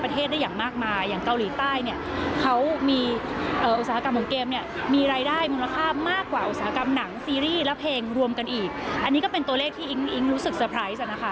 ทีละเพลงรวมกันอีกอันนี้ก็เป็นตัวเลขที่อิ๊งอิ๊งรู้สึกสเตอร์ไพรส์อ่ะนะคะ